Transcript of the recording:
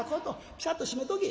ピシャッと閉めとけ」。